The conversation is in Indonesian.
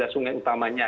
tiga belas sungai utamanya